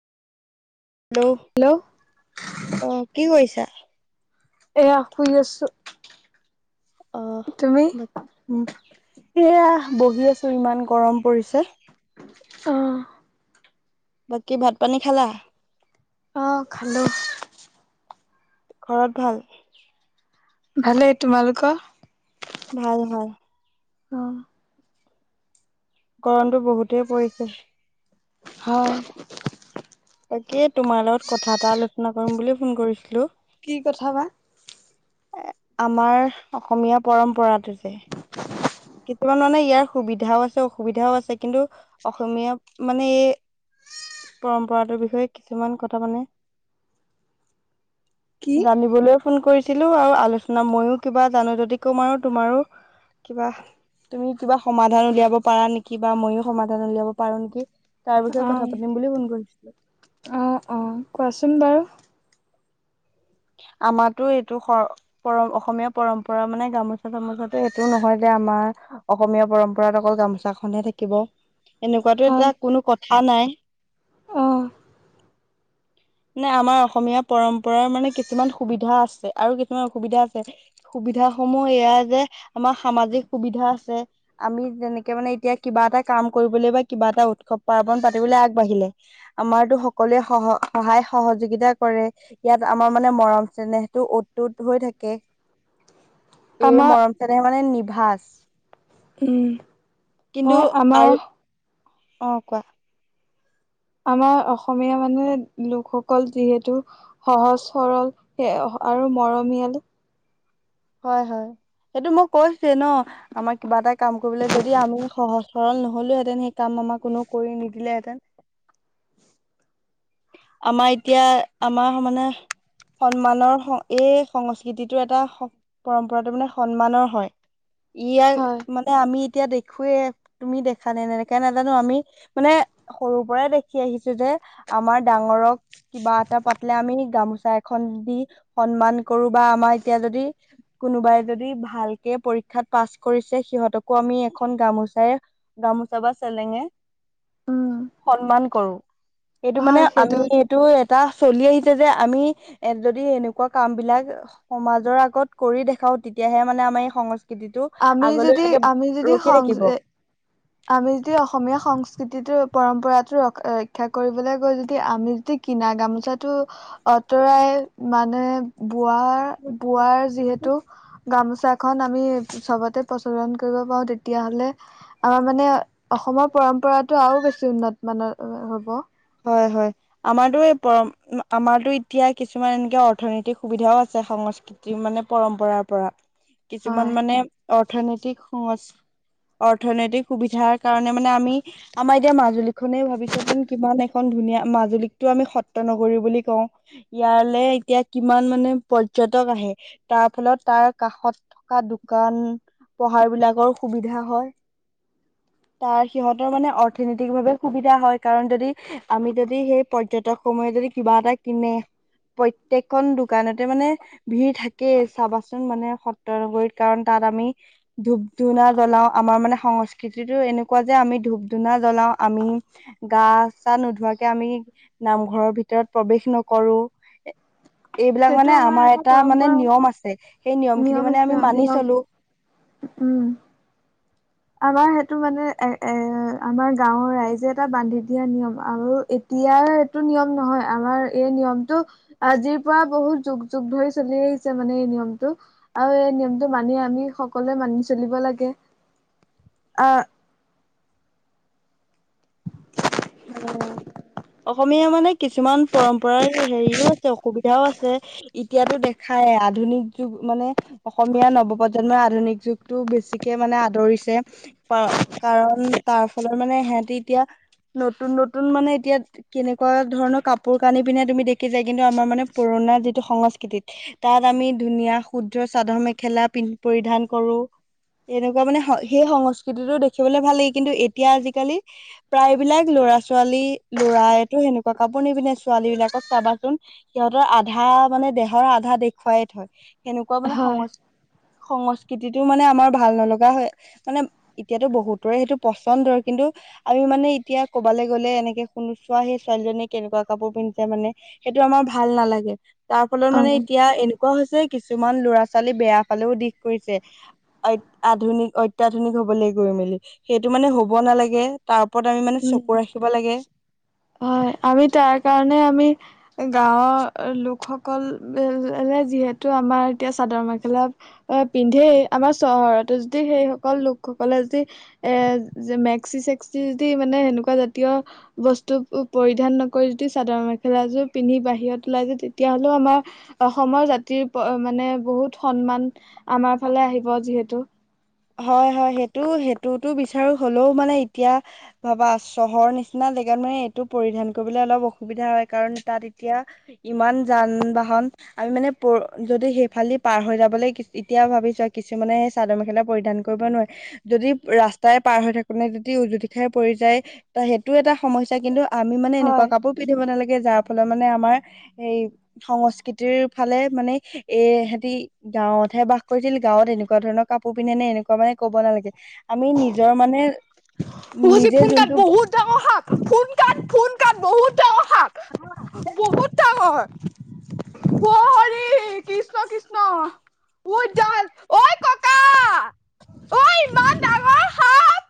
Hello. Hello. অ', কি কৰিছা? এয়া শুই আছো। অ', তুমি বাকী উম এয়া বহি আছো ইমান গৰম পৰিছে। অ'। বাকী ভাত পানী খালা? অ', খালো। ঘৰত ভাল? ভালেই তোমালোকৰ? ভাল ভাল। অ'। গৰমটো বহুতেই পৰিছে। হয়। তাকে তোমাৰ লগত কথা এটা আলোচনা কৰিম বুলি ফোন কৰিছিলো। কি কথা বা? আমাৰ অসমীয়া পৰম্পৰাটো যে কিছুমান মানে ইয়াৰ সুবিধাও আছে অসুবিধাও আছে। কিন্তু অসমীয়া মানে এই পৰম্পৰাটোৰ বিষয়ে কিছুমান কথা মানে কি জানিবলৈ ফোন কৰিছিলোঁ আৰু আলোচনা ময়ো কিবা জানো যদি ক'ম আৰুো তোমাৰো কিবা তুমি কিবা সমাধান উলিয়াব পাৰা নেকি বা মইও সমাধান উলিয়াব পাৰো নেকি? তাৰ বিষয়ে অ কথা পাতিম বুলি ফোন কৰিছিলো। অ', অ', কোৱাচোন বাৰু আমাৰো এইটো স পৰম অসমীয়া পৰম্পৰা মানে গামোচা চামোচাতটো এইটোও নহয় যে আমাৰ অসমীয়া পৰম্পৰাত অকল গামোচা খনহে থাকিব এনেকুৱাতো হয় এটা কোনো কথা নাই। অ নে আমাৰ অসমীয়া পৰম্পৰাৰ মানে কিছুমান সুবিধা আছে আৰু কিছুমান অসুবিধা আছে সুবিধাস সমূহ এয়াই যে আমাৰ সামাজিক সুবিধা আছে। আমি যেনেকে মানে এতিয়া কিবা এটা কাম কৰিবলৈ বা কিবা এটা উৎসৱ পাৰ্বন পাতিবলৈ আগবাঢ়িলে আমাৰতো সকলোৱে সহ সহায় সহযোগিতা কৰে। ইয়াত আমাৰ মানে মৰম চেনেহটো উতুত হৈ থাকে। এই আমাৰ মৰম চনেহে মানে নিভাাজ। উম'। কিন্তু হয় আমাৰ আৰু অ'কোৱা আমাৰ অসমীয়া মানুহে লোকসকল যিহেতু সহজ সৰল সেই-আৰু মৰমীয়াল। হয়-হয় সেইটো মই কৈছে ন' আমাৰ কিবা এটা কাম কৰিবলৈ যদি আমি সহজ সৰল নহ'লেওহেতেন সেই কাম আমাৰ কোননেও কৰি নিদিলেহেঁতেন। আমাৰ এতিয়া আমাৰ মানে সন্মানৰ এই সংস্কৃতিটো এটা পৰম্পৰাতটো মানে সন্মানৰ হয়, ইয়াক হয় মানে এ আমি এতিয়া দেখুৱে, তুমি দেখা নে এনেকাকে নাজানো আমি মানে সৰুৰ পৰাই দেখি আহিছো যে আমাৰ ডাঙৰক কিবা এটা পাতলে আমি গামোচা এখন দি সন্মান কৰো বা আমাৰ এতিয়া যদি কোনোবাই যদি ভালকে পৰীক্ষাত পাছ কৰিছে, সিহঁতকো আমি এখন গামোচাৰে গামোচা বা চেলেঙে উম সন্মান কৰো। এইটো মানে হয় সেইটো আমি কথা এইটো এটা চলি আহিছে যে আমি এ যদি এনেকুৱা কাম বিলাক সমাজৰ আগত কৰি দেখাওঁ তেতিয়াহে মানে আমাৰ এই সংস্কৃতিটো আমি আগলৈ যদি এনেকে আমি যদি ৰখি থাকিব। সং আমি যদি অসমীয়া সংস্কৃতিটো পৰম্পৰাটো ৰ ৰক্ষা কৰিবলৈ গৈ যদি আমি যদি কিনা গামোচাটো আঁতৰাই মানে বোৱাৰ বোৱাৰ যিহেতু গামোচাখন আমি চবতে প্ৰচলন কৰিব পাৰো তেতিয়াহলে আমাৰ মানে অসমৰ পৰম্পৰাটো আৰু বেছি উন্নত মানৰ হ'ব। হয় হয়। আমাৰতো এই পৰ আমাৰতো এতিয়া কিছুমান এনেকে অৰ্থনৈতিক সুবিধাও আছে। সংস্কৃতি মানে পৰম্পৰাৰ পৰা কিছুমান হয় মানে অৰ্থনৈতিক সংস্ অৰ্থনৈতিক সুবিধাৰ কাৰণে মানে আমি আমাৰ এতিয়া মাজুলী খনে ভাবিছেচোন কিমান এখন ধুনীয়া মাজুলীকতো আমি সত্য নগৰী বুলি কওঁ। ইয়ালৈ এতিয়া কিমান মানে পৰ্যটক আহে, তাৰ ফলত তাৰ কাষত থকা দোকান-পহাৰ বিলাকৰ সুবিধা হয়। তাৰ সিহঁতৰ মানে অৰ্থনীতিক ভাৱে সুবিধা হয় কাৰণ যদি আমি যদি সেই পৰ্যটক সমূহে যদি কিবা এটা কিনে প্ৰত্যেকখন দোকানতে মানে ভিৰ থাকেই, চাবাচোন মানে সত্ৰনগৰীত। কাৰণ তাত আমি ধূপ ধূনা জ্বলাও, আমাৰ মানে সংস্কৃতিতো এনেকুৱা যে আমি ধূপ ধূনা জ্বলাও। আমি গা-চা নোধোৱাকে আমি নামঘৰৰ ভিতৰত প্ৰৱেশ নকৰো। এইবিলাক মানে আমাৰ এটা মানে নিয়ম আছে, সেই নিয়ম খিনি মানে আছে আমি মানি নিয়ম চলো। উম। আমাৰ সেইটো মানে, এ এ আমাৰ গাঁওৰ ৰাইজে এটা বান্ধি দিয়া নিয়ম আৰু দিয়াৰ এইটো নিয়ম নহয়, আমাৰ এই নিয়মটো আজিৰ পৰা বহুত যুগ যুগ ধৰি চলি আহিছে মানে এই নিয়মটো আৰু এই নিয়মটো মানি আমি সকলোৱে মানি চলিব লাগে। অ'। অ', অসমীয়া মানে কিছুমান পৰম্পৰাৰ হেৰিওঁ আছে অসুবিধাও আছে। এতিয়াতো দেখায়, আধুনিক যুগ মানে অসমীয়া নৱপ্ৰজন্ম‌ই আধুনিক যুগতটো বেছিকে মানে আদৰিছে কাৰণ তাৰ ফলত মানে সিহতি এতিয়া নতুন নতুন মানে এতিয়া কেনেকুৱা ধৰণৰ কাপোৰ কানি পিনে তুমি দেখিছা কিন্তু আমাৰ মানে পুৰণা যিটো সংস্কৃতিত তাত আমি ধুনীয়া ক্ষুদ্ৰ চাদৰ মেখেলা পৰিধান কৰোঁ। এনেকুৱা মানে সেই সংস্কৃতিটো দেখিবলৈ ভাল লাগে, কিন্তু এতিয়া আজিকালি প্ৰায় প্ৰায় বিলাক ল'ৰা-ছোৱালী ল'ৰাইতো সেনেকুৱা কাপোৰ নিপিন্ধে, ছোৱালী বিলাকক চাবাচোন। সিহঁতৰ আধা মানে দেহৰ আধা দেখুৱাই থয়। সেনেকুৱা মানে হয় সংস্কৃতি সংস্কৃতিটো মানে আমাৰ ভাল নলগা হয় মানে এতিয়াতো বহুতৰে সেইটো পচন্দৰ। কিন্তু আমি মানে এতিয়া ক'বালে গ'লে এনেকে শুনোচোৱা সেই ছোৱালীজনীয়ে কেনেকুৱা কাপোৰ পিন্ধিছে মানে সেইটো আমাৰ ভাল নালাগে তাৰ ফলত অ মানে এতিয়া এনে কোৱা হৈছে, কিছুমান লৰা ছোৱালী বেয়া ফালেও দিশ কৰিছে। অ', আধুনিক অত্যাধুনিক হবলৈ গৈ মেলি সেইটো মানে হ'ব নালাগে তাৰ ওপৰত আমি মানে উম, চকু ৰাখিব লাগে হয় আমি তাৰ কাৰণে আমি গাঁৱৰ লোকসকললে যিহেতু আমাৰ এতিয়া চাদৰ মেখেলা আহ পিন্ধেই আমাৰ চহৰতো যদি সেই সকল লোকসকলে যদি এ মেক্সি চেক্সি মানে সেনেকুৱা জাতীয় বস্তু পৰিধান নকৰি যদি চাদৰ মেখেলাযোৰ পিন্ধি বাহিৰত ওলাই যায় তেতিয়াহ'লেও আমাৰ অসমৰ জাতিৰ মানে বহুত সন্মান আমাৰ ফালে আহিব যিহেতু হয়, হয় সেইটো সেইটোতো বিচাৰো হ'লেও মানে এতিয়া ভাবা চহৰৰ নিচিনা জেগাত মানে এইটো পৰিধান কৰিবলৈ অলপ অসুবিধা হয় কাৰণ তাত এতিয়া ইমান যান বাহন আমি মানে প যদি সেইফালি পাৰ হৈ যাবলৈ এতিয়া ভাবিছা কিছুমানে চাদৰ মেখেলা পৰিধান কৰিব নোৱাৰে যদি ৰাস্তাই পাৰ হৈ থাকো নে যদি উজুতি খাই পৰি যায় ত সেইটো এটা সমস্যা কিন্তু আমি মানে এনেকুৱা হয় কাপোৰ পিন্ধিব নালাগে যাৰ ফলত মানে আমাৰ এই সংস্কৃতিৰ ফালে মানে এ এহেতি গাঁৱতহে বাস কৰিছিল গাঁৱত এনেকুৱা ধৰণৰ কাপোৰ পিন্ধে নে এনেকুৱা মানে ক'ব নালাগে আমি নিজৰ মানে নিজে ফোন কাট যোনটো বহুত টাৰ সাপ ফোন কাট ফোন কাট বহুত টাঙৰ সাপ বহুত ডাঙৰ অ', হৰি কৃষ্ণ কৃষ্ণ ঐ ডাল ঐ ককা ঐ ইমান ডাঙৰ [unintelligible] সাপ